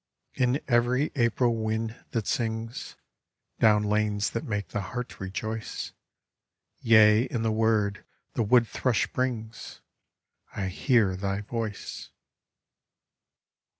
In every April wind that sings Down lanes that make the heart rejoice; Yea, in the word the wood thrush brings, I hear Thy voice.